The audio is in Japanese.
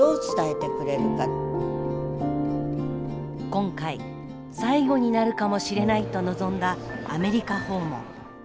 今回最後になるかもしれないと臨んだアメリカ訪問。